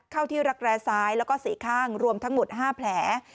เข้าที่รักแร้ซ้ายแล้วก็๔ข้างรวมทั้งหมด๕แผล